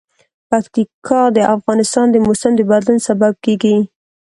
پکتیکا د افغانستان د موسم د بدلون سبب کېږي.